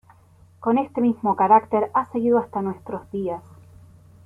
Con este mismo carácter ha seguido hasta nuestros días.